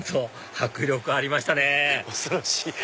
迫力ありましたね恐ろしい！